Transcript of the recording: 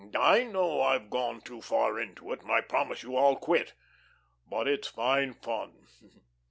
I know I've gone too far into it, and I promise you I'll quit. But it's fine fun.